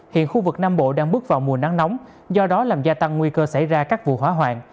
hiện khu vực nam bộ đang bước vào mùa nắng nóng do đó làm gia tăng nguy cơ xảy ra các vụ hỏa hoạn